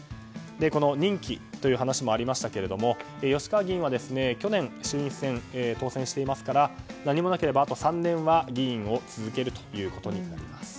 この任期という話もありましたが吉川議員は去年衆院選に当選していますから何もなければあと３年は議員を続けることになります。